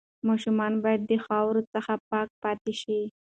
ماشومان باید د خاورو څخه پاک پاتې شي.